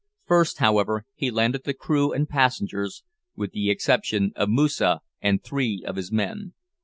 First however, he landed the crew and passengers, with the exception of Moosa and three of his men.